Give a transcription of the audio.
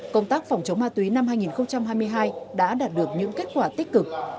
công tác phòng chống ma túy năm hai nghìn hai mươi hai đã đạt được những kết quả tích cực